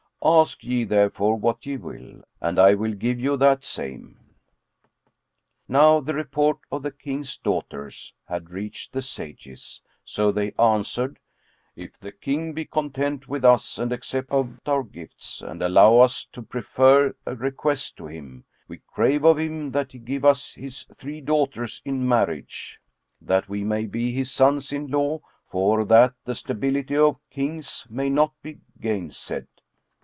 Ask ye, therefore, what ye will, and I will give you that same." Now the report of the King's daughters had reached the sages, so they answered, "If the King be content with us and accept of our gifts and allow us to prefer a request to him, we crave of him that he give us his three daughters in marriage, that we may be his sons in law; for that the stability of Kings may not be gainsaid."